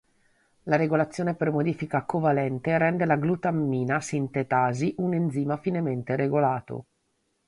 La regolazione per modifica covalente rende la glutammina sintetasi un enzima finemente regolato.